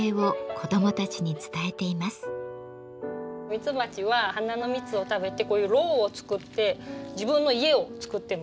ミツバチは花の蜜を食べてこういうろうを作って自分の家を作ってます。